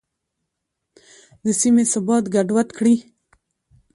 د سیمې ثبات ګډوډ کړي.